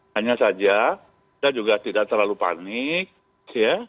hanya saja kita juga tidak terlalu panik ya